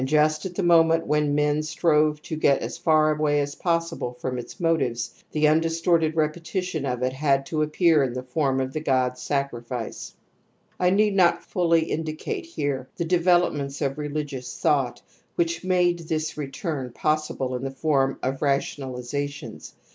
Thus the mt sacrifice had pr all attempts to 252 TOTEM AND TABOO \ when men strove to get as far away as possible from its motives, the midistorted repetition of it had to appear in the fonn of the god sacrifice. I need not fully indicate here the developments of religious thought which made this return pos sible in the form of rationalizations.